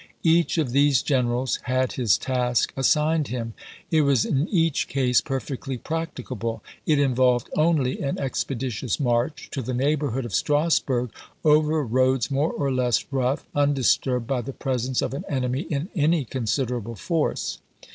Each of these generals had his task assigned him ; it was in each case perfectly practicable. It involved only an expeditious march to the neighborhood of Stras burg, over roads more or less rough, undisturbed by the presence of an enemy in any considerable force.